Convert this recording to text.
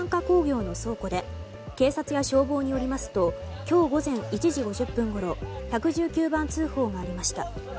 興業の倉庫で警察や消防によりますと今日午前１時５０分ごろ１１９番通報がありました。